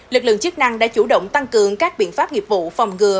lực lượng chức năng đã chủ động tăng cường các biện pháp nghiệp vụ phòng ngừa